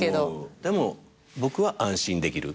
でも僕は安心できる。